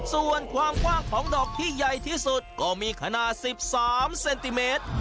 ส่วนความกว้างของดอกที่ใหญ่ที่สุดก็มีขนาด๑๓เซนติเมตร